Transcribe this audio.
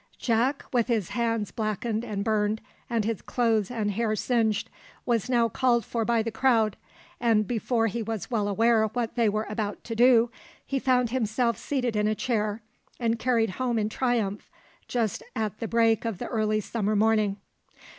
Jack, with his hands blackened and burned, and his clothes and hair singed, was now called for by the crowd, and before he was well aware what they were about to do, he found himself seated in a chair, and carried home in triumph, just at the break of the early summer morning.